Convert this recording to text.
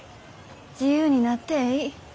自由になってえい。